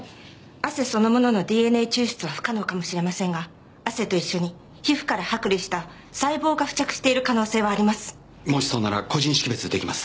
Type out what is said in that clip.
汗そのもののＤＮＡ抽出は不可能かもしれませんが汗と一緒に皮膚から剥離した細胞が付着している可能性はあります。